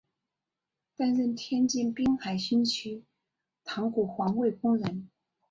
担任天津滨海新区塘沽环卫工人。